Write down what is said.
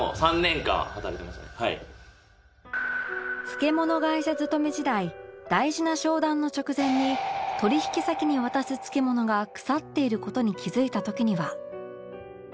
漬物会社勤め時代大事な商談の直前に取引先に渡す漬物が腐っている事に気づいた時には